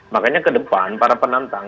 makanya ke depan para penantang